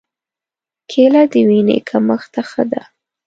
کېله د وینې کمښت ته ښه ده.